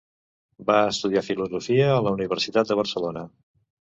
Va estudiar filosofia a la Universitat de Barcelona.